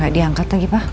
gak diangkat lagi pak